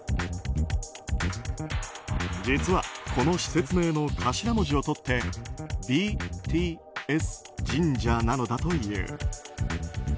実はこの施設名の頭文字をとって「Ｂ」、「Ｔ」、「Ｓ」神社なのだという。